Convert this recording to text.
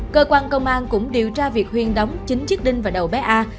cơ quan công an cũng điều tra việc huyên đóng chính chiếc đinh vào đầu bé a